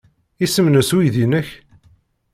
Isem-nnes uydi-nnek?